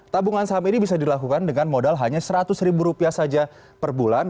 tabungan saham ini bisa dilakukan dengan modal hanya seratus ribu rupiah saja per bulan